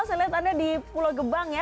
saya lihat anda di pulau gebang ya